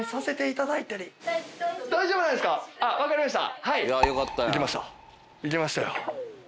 いけましたよ。